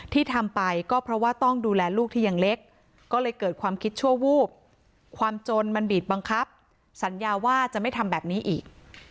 ที่ทำไปก็เพราะว่าต้องดูแลลูกที่ยังเล็กก็เลยเกิดความคิดชั่ววูบความจนมันบีบบังคับสัญญาว่าจะไม่ทำแบบนี้อีก